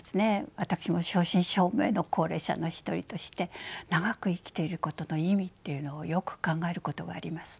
私も正真正銘の高齢者の一人として長く生きていることの意味っていうのをよく考えることがあります。